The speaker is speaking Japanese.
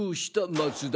松田。